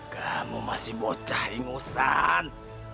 kamu masih bocah ingusan